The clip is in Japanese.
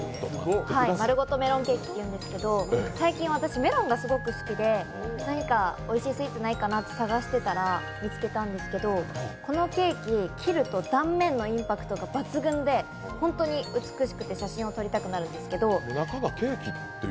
まるごとメロンケーキっていうんですけど、最近私、メロンがすごく好きで何かおいしいスイーツないかなと探してたら見つけたんですけどこのケーキ、切ると断面のインパクトが抜群で本当に美しくて、写真を撮りたくなるんですけど。